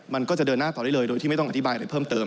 มันก็จะเดินหน้าต่อได้เลยโดยที่ไม่ต้องอธิบายอะไรเพิ่มเติม